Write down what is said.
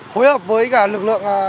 phối hợp với cả lực lượng